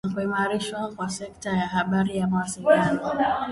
na kuimarishwa kwa sekta ya habari na mawasiliano